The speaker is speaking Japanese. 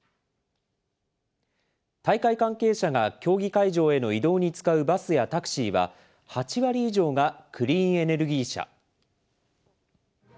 大会関係者が競技会場への移動に使うバスやタクシーは、８割以上がクリーンエネルギー車。